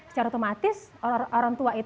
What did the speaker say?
secara otomatis orang tua